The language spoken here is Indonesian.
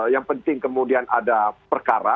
yang penting kemudian ada perkara